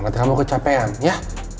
nanti kamu kecapean ya